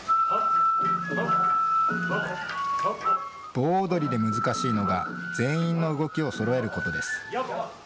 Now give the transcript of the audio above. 棒踊りで難しいのが全員の動きをそろえることです。